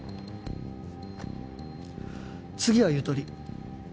次はゆとり。